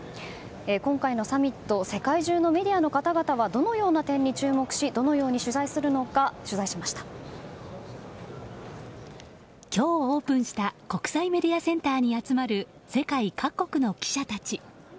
今回のサミット、世界中のメディアの方々はどのような点に注目しどのように取材するのか今日オープンした国際メディアセンターに集まる世界各国の記者たち。